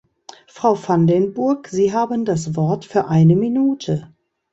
Frau van den Burg, Sie haben das Wort für eine Minute.